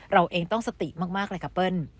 เราเองต้องสติมากเลยค่ะเปิ้ล